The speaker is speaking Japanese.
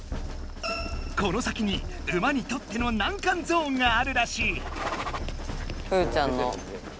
この先に馬にとっての難関ゾーンがあるらしい。